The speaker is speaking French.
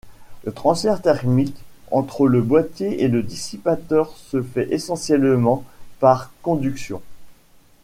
Le transfert thermique entre le boîtier et le dissipateur se fait essentiellement par conduction.